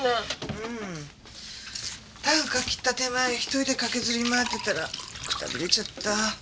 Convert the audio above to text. うんたんか切った手前一人で駆けずり回ってたらくたびれちゃった。